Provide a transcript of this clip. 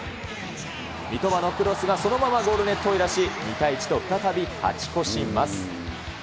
三笘のクロスがそのままゴールネットを揺らし、２対１と、再び勝ち越します。